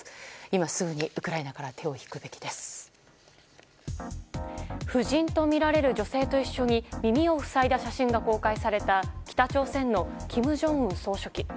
今すぐにウクライナから夫人とみられる女性と一緒に耳を塞いだ写真が公開された北朝鮮の金正恩総書記。